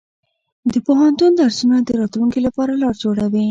د پوهنتون درسونه د راتلونکي لپاره لار جوړوي.